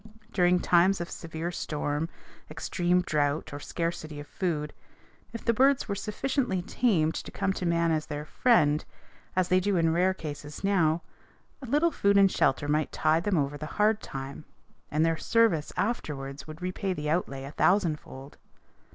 During times of severe storm, extreme drought, or scarcity of food, if the birds were sufficiently tamed to come to man as their friend, as they do in rare cases now, a little food and shelter might tide them over the hard time and their service afterwards would repay the outlay a thousandfold.